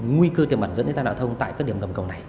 nguy cư tiềm ẩn dẫn đến tai nạn giao thông tại các điểm ngầm cầu này